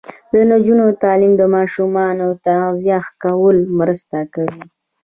د نجونو تعلیم د ماشومانو تغذیه ښه کولو مرسته کوي.